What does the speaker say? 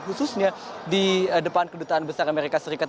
khususnya di depan kedutaan besar amerika serikat